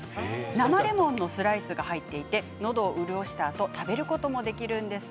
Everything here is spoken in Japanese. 生レモンのスライスが入っていてのどを潤したあと食べることもできるんです。